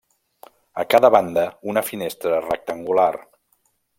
A cada banda, una finestra rectangular.